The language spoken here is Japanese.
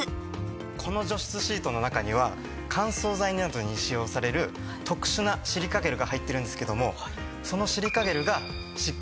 この除湿シートの中には乾燥剤などに使用される特殊なシリカゲルが入ってるんですけどもそのシリカゲルが湿気を吸収してくれるんです。